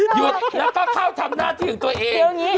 หยุดแล้วก็เข้าทำหน้าที่ของตัวเอง